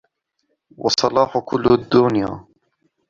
وَصَلَاحُ كُلِّ دُنْيَا